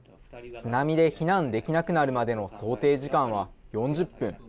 津波で避難できなくなるまでの想定時間は４０分。